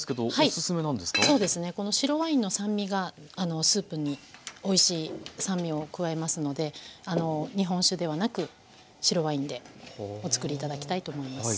この白ワインの酸味がスープにおいしい酸味を加えますので日本酒ではなく白ワインでお作り頂きたいと思います。